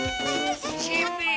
しんべヱ！